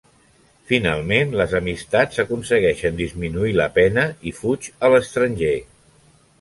Finalment les amistats aconsegueixen disminuir la pena i fuig a l'estranger.